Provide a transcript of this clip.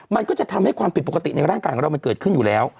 มันก็จะทำให้ความผิดปกติในร่างกายของเรามันเกิดขึ้นอยู่แล้ว